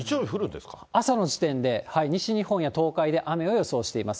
朝の時点で、西日本や東海で雨を予想しています。